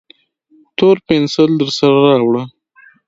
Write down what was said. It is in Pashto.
تور پینسیل درسره راوړه